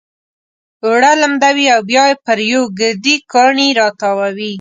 اوړه لمدوي او بيا يې پر يو ګردي کاڼي را تاووي.